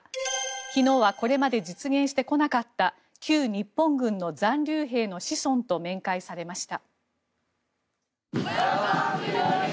昨日はこれまで実現してこなかった旧日本軍の残留兵の子孫と面会されました。